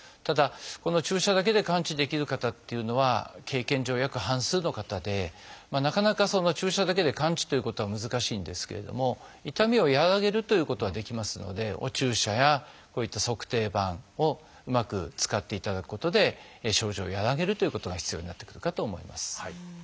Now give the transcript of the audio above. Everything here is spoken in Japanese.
ただこの注射だけで完治できる方っていうのは経験上約半数の方でなかなか注射だけで完治ということは難しいんですけれども痛みを和らげるということはできますのでお注射やこういった足底板をうまく使っていただくことで症状を和らげるということが必要になってくるかと思います。